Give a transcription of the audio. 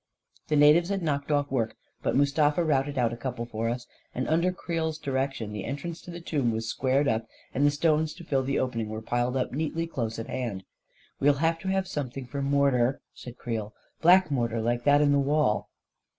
The natives had knocked off work, but Mustafa routed out a couple for us, and under Creel's di rection, the entrance to the tomb was squared up, and the stones to fill the opening were piled up neatly close at hand. 44 We'll have to have something for mortar," said Creel; " black mortar like that in the wall."